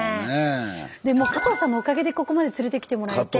もう加藤さんのおかげでここまで連れてきてもらって。